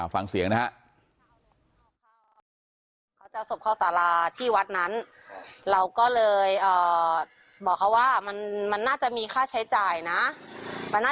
ฟังเสียงนะฮะ